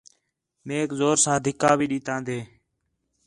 میک زور ساں دِھکا بھی ݙِتان٘دے